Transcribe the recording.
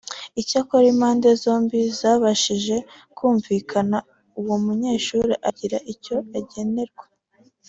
Icyakora impande zombi zabashije kumvikana uwo munyeshuri agira icyo agenerwa